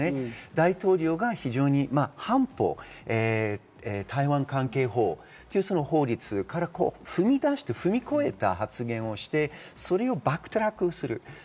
大統領が非常に半歩、台湾関係法という法律から踏み越えた発言をして、それをバックトラックする。